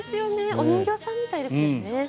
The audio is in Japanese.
お人形さんみたいですよね。